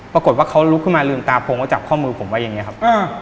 ปรากฏว่าเขาลุกขึ้นมาลืมตาโพงแล้วจับข้อมือผมไว้อย่างนี้ครับ